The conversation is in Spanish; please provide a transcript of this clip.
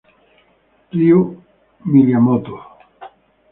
Ryu Miyamoto